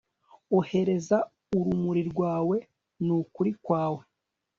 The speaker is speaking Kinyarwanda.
ohereza urumuri rwawe n'ukuri kwawe